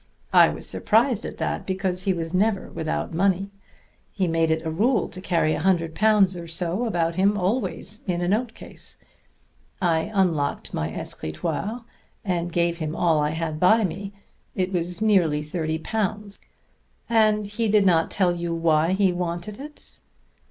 I was surprised at that, because he was never without money; he made it a rule to carry a hundred pounds or so about him always in a note case. I unlocked my escritoire, and gave him all I had by me. It was nearly thirty pounds." "And he did not tell you why he wanted it?"